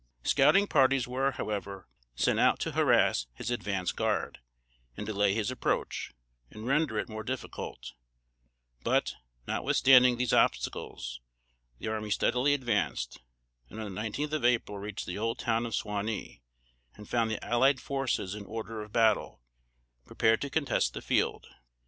Scouting parties were, however, sent out to harrass his advance guard, and delay his approach, and render it more difficult; but, notwithstanding these obstacles, the army steadily advanced, and on the nineteenth of April reached the "Old Town" of "Suwanee," and found the allied forces in order of battle, prepared to contest the field.